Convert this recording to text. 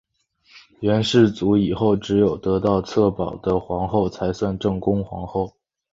元世祖以后只有得到策宝的皇后才算正宫皇后。